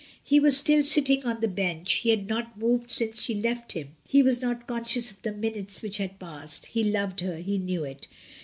... He was still sitting on the bench, he had not moved since she left him. He was not conscious of the minutes which had passed. He loved her. He knew it.